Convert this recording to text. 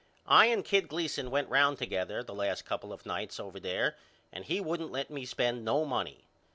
I and Kid Gleason went round together the last couple of nights over there and he wouldn't let me spend no money.